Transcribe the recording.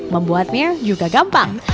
membuatnya juga gampang